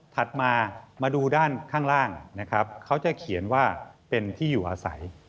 ถัดมามาดูด้านข้างล่างนะครับเขาจะเขียนว่าเป็นที่อยู่อาศัย